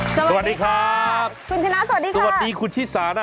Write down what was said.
สวัสดีครับคุณชนะสวัสดีค่ะสวัสดีคุณชิสานะ